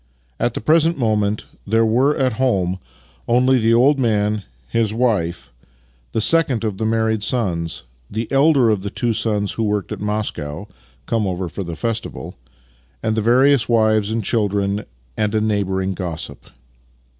At the present mom.ent there were at home only the Master and Man 25 old man, his wife, the second of the married sons, the elder of the two sons who worked at Moscow (come over for the festival), the various wives and children, and a neighbouring gossip.